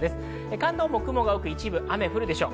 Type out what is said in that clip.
関東も雲が多く一部雨が降るでしょう。